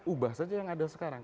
ubah saja yang ada sekarang